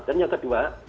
dan yang kedua